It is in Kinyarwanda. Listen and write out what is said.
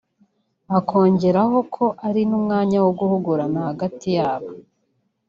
akongeraho ko ari n’umwanya wo guhugurana hagati yabo